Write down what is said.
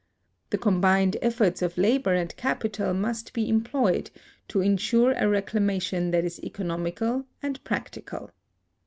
The combined efforts of labor and capital must be employed to insure a reclamation that is economical and practical.